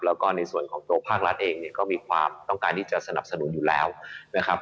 แล้วก็ในส่วนของตัวภาครัฐเองเนี่ยก็มีความต้องการที่จะสนับสนุนอยู่แล้วนะครับ